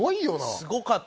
すごかった。